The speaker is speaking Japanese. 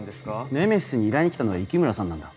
ネメシスに依頼に来たのは雪村さんなんだ。